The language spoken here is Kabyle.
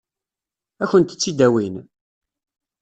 Ad kent-tt-id-awin?